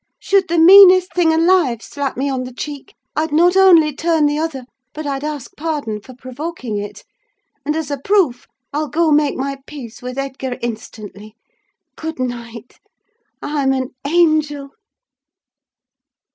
Should the meanest thing alive slap me on the cheek, I'd not only turn the other, but I'd ask pardon for provoking it; and, as a proof, I'll go make my peace with Edgar instantly. Good night! I'm an angel!"